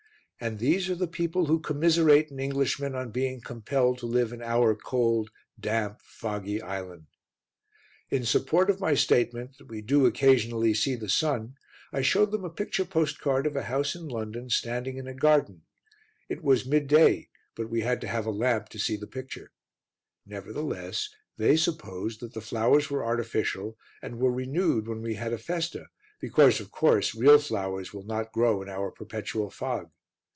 And these are the people who commiserate an Englishman on being compelled to live in our cold, damp, foggy island! In support of my statement that we do occasionally see the sun, I showed them a picture postcard of a house in London standing in a garden. It was midday, but we had to have a lamp to see the picture; nevertheless they supposed that the flowers were artificial and were renewed when we had a festa because, of course, real flowers will not grow in our perpetual fog.